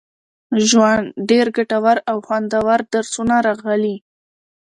ژوند، ډېر ګټور او خوندور درسونه راغلي